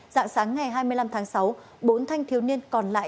dạng sáng ngày hai mươi năm tháng sáu bốn thanh thiếu niên còn lại